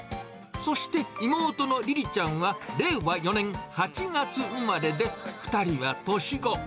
そして妹のりりちゃんは令和４年８月生まれで、２人は年子。